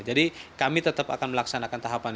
jadi kami tetap akan melaksanakan tahapan ini